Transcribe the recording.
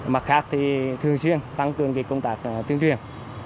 mặt khác thì thường xuyên tăng cường công tác tuyên truyền